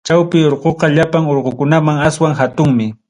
Chawpi Urquqa llapan urqukunamanta aswan hatunmi.